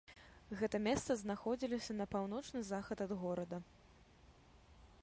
Гэта месца знаходзіліся на паўночны захад ад горада.